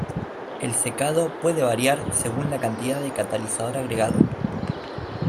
El secado puede variar según la cantidad de catalizador agregado.